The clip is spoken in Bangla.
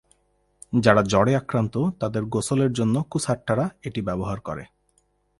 যারা জ্বরে আক্রান্ত তাদের গোসলের জন্য কুসহাট্টারা এটি ব্যবহার করে।